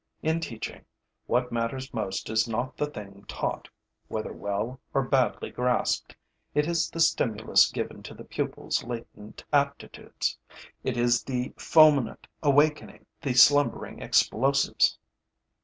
In teaching, what matters most is not the thing taught, whether well or badly grasped: it is the stimulus given to the pupil's latent aptitudes; it is the fulminate awakening the slumbering explosives.